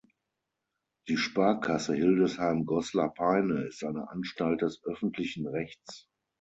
Die Sparkasse Hildesheim Goslar Peine ist eine Anstalt des öffentlichen Rechts.